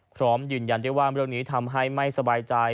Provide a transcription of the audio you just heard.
พร้อมยืนยันได้ว่าเรื่องนี้ทำให้ไม่สบายใจ